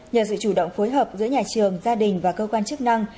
nhờ sự chủ động phối hợp giữa nhà trường gia đình và cơ quan chức năng